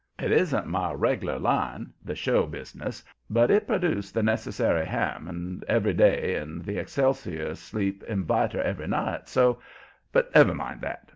It isn't my reg'lar line, the show bus'ness, but it produced the necessary 'ham and' every day and the excelsior sleep inviter every night, so but never mind that.